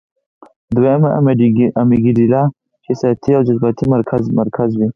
دويمه امېګډېلا چې احساساتي او جذباتي مرکز وي -